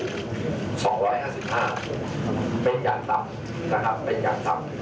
๒๕๕เป็นอย่างต่ำนะครับเป็นอย่างต่ำ